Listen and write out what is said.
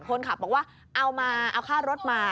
คนขับบอกว่าเอามาเอาค่ารถมา